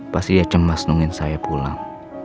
pasti dia cembah senungin saya pulang